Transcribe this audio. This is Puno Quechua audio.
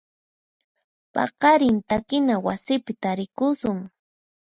Paqarin takina wasipi tarikusun.